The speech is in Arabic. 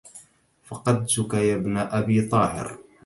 فقدتك يا ابن أبي طاهر